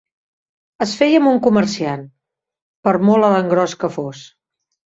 Es feia amb un comerciant, per molt a l'engròs que fos